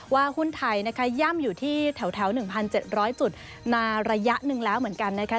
หุ้นไทยนะคะย่ำอยู่ที่แถว๑๗๐๐จุดมาระยะหนึ่งแล้วเหมือนกันนะคะ